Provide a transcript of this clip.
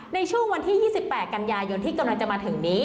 ในช่วงวันที่๒๘กันยายนที่กำลังจะมาถึงนี้